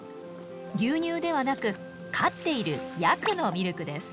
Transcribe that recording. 牛乳ではなく飼っているヤクのミルクです。